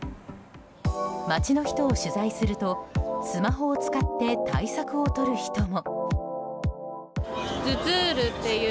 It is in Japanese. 街の人を取材するとスマホを使って対策をとる人も。